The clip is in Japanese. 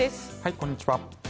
こんにちは。